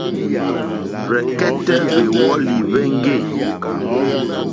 Rzɛ̀kɛ́tɛ́ hwèwɔ́lì hwéŋɡê.